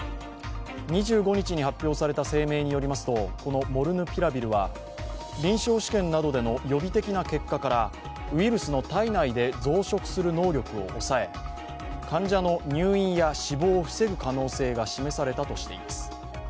２５日に発表された声明によりますと、このモルヌピラビルは臨床試験などでの予備的な結果からウイルスの体内で増殖する能力を抑え、患者の入院や死亡を防ぐ可能性が示されたとしています。